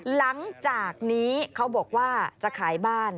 หลังจากนี้เขาบอกว่าจะขายบ้าน